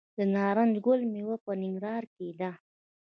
د نارنج ګل میله په ننګرهار کې ده.